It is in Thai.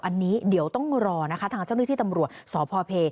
อันนี้เดี๋ยวต้องรอนะคะทางเจ้าหน้าที่ตำรวจสพเพ